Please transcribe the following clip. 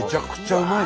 うまい！